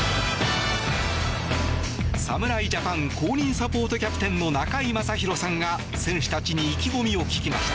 侍ジャパン公認サポートキャプテンの中居正広さんが選手たちに意気込みを聞きました。